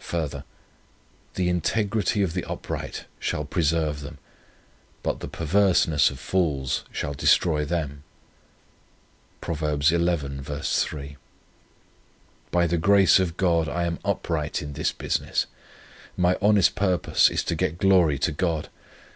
Further: 'The integrity of the upright shall preserve them; but the perverseness of fools shall destroy them.' Prov. xi. 3. By the grace of God I am upright in this business. My honest purpose is to get glory to God.